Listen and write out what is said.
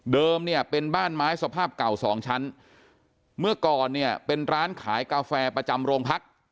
เนี่ยเป็นบ้านไม้สภาพเก่าสองชั้นเมื่อก่อนเนี่ยเป็นร้านขายกาแฟประจำโรงพัก